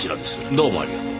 どうもありがとう。